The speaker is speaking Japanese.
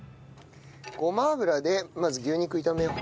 ごま油でまず牛肉炒めよう。